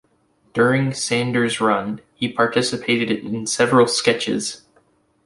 During Sanders' run, he participated in several sketches.